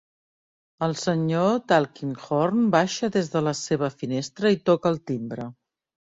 El Sr. Tulkinghorn baixa des de la seva finestra i toca el timbre.